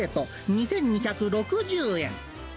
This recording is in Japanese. ２２６０円。